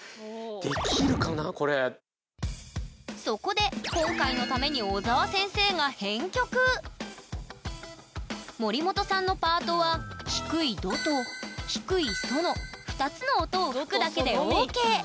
そこで今回のために森本さんのパートは「低いド」と「低いソ」の２つの音を吹くだけでＯＫ。